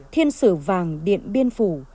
thiên sử vàng điện biên phủ